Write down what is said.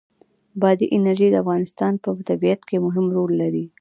بادي انرژي د افغانستان په طبیعت کې مهم رول لري.